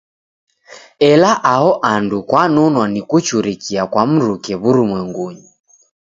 Ela aho andu kwanonwa ni kuchurikia kwa mruke w'urumwengunyi.